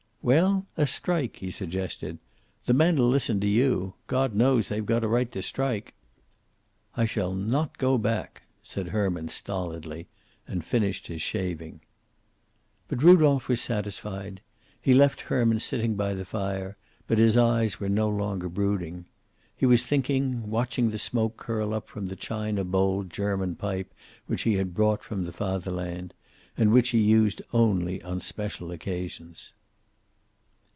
"Well, a strike," he suggested. "The men'll listen to you. God knows they've got a right to strike." "I shall not go back," said Herman stolidly, and finished his shaving. But Rudolph was satisfied. He left Herman sitting again by the fire, but his eyes were no longer brooding. He was thinking, watching the smoke curl up from the china bowled German pipe which he had brought from the Fatherland, and which he used only on special occasions.